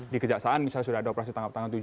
di kejaksaan misalnya sudah ada operasi tangkap tangan